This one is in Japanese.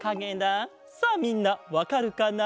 さあみんなわかるかな？